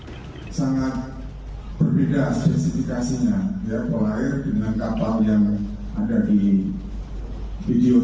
berbeda spesifikasinya ya pol air dengan kapal yang ada di video tersebut